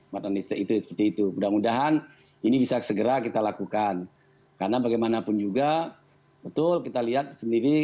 mudah mudahan ini bisa segera kita lakukan karena bagaimanapun juga betul kita lihat sendiri